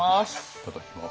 いただきます。